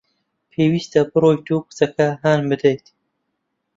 پێویستە بڕۆیت و کچەکە هان بدەیت.